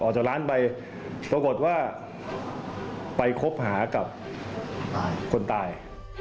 ออกจากร้านไปปรากฏว่าไปคบหากับคนตาย